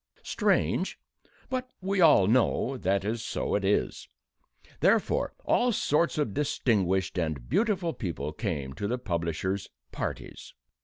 Strange but we all know that so it is. Therefore, all sorts of distinguished and beautiful people came to the publisher's "parties."